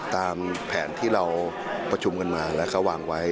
ตามแผนที่เราประชุมกันมาแล้วก็วางไว้